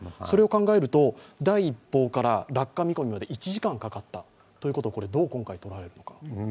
それを考えると、第１報から落下見込みまで１時間かかったということをどう捉えるのか。